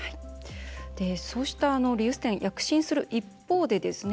そうした、リユース店躍進する一方でですね